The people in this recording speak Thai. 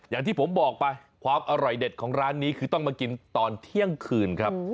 อย่างที่ผมบอกไปความอร่อยเด็ดของร้านนี้คือต้องมากินตอนเที่ยงคืนครับ